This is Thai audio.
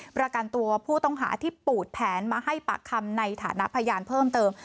ประกันตัวผู้ต้องหาที่ปูดแผนมาให้ปากคำในฐานะพยานเพิ่มเติม